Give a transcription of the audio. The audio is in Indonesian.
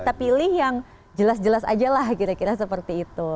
kita pilih yang jelas jelas aja lah kira kira seperti itu